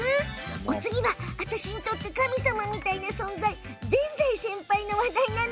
お次は私にとって神様みたいな存在ぜんざい先輩の話題なの。